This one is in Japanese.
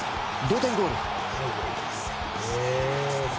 同点ゴール。